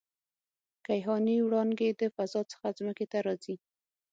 کیهاني وړانګې د فضا څخه ځمکې ته راځي.